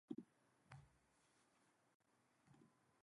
I think that it should be coincidental.